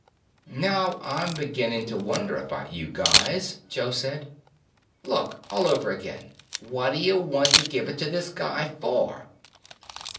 "Now I'm beginning to wonder about you guys," Joe said. "Look, all over again, what'd'ya wanta give it to this guy for?"